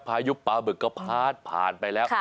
พายุปลาบึกก็พาดผ่านไปแล้ว